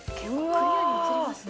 クリアに映りますね。